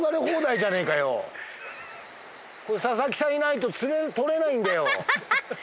佐々木さんいないと取れないんだよ。